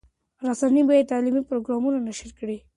رسنۍ باید تعلیمي پروګرامونه نشر کړي.